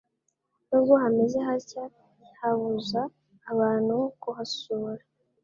Nubwo hameze hatya ntihabuza abantu kuhasura